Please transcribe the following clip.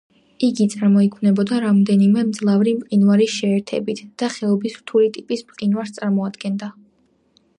იგი წარმოიქმნებოდა რამდენიმე მძლავრი მყინვარის შეერთებით და ხეობის რთული ტიპის მყინვარს წარმოადგენდა.